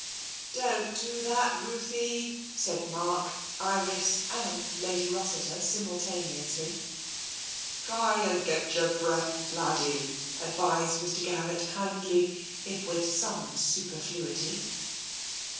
" Don't do that, Ruthie," said Mark, Iris and Lady Rossiter simultaneously. 204 TENSION "Try and get your breath, laddie/' advised Mr. Garrett kindly, if with some superfluity.